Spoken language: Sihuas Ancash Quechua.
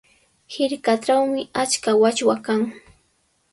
Hirkatrawmi achka wachwa kan.